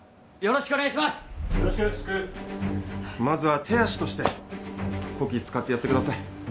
まずは手足としてこき使ってやってください。